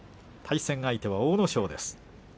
対戦相手は阿武咲です。